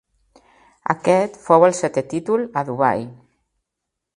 Aquest fou el setè títol a Dubai.